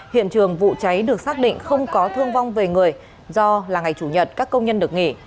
hiện trường vụ cháy được xác định không có thương vong về người do là ngày chủ nhật các công nhân được nghỉ